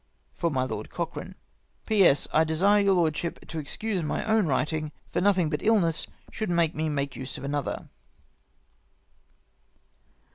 " For my Lord Cochrane." " P.S. — I desire your lordship to excuse my own writing, for nothing but illness should make me make use of another."